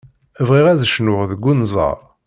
Bɣiɣ ad cnuɣ deg unẓar.